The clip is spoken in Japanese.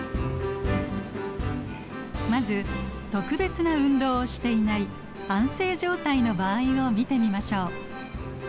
まず特別な運動をしていない安静状態の場合を見てみましょう。